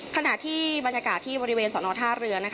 ขณะที่บรรยากาศที่บริเวณสอนอท่าเรือ